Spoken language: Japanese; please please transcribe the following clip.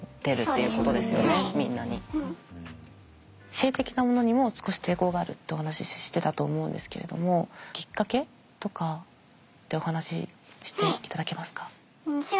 性的なものにも少し抵抗があるってお話ししてたと思うんですけれどもきっかけとかってお話ししていただけますか。